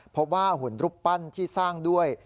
เพราะว่าหุ่นรูปปั้นที่สร้างด้วย